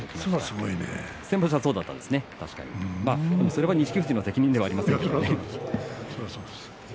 それは翠富士の責任ではありませんけれどもね。